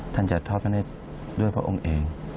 ท่านจะทอดพระเนธด้วยพระองค์เอง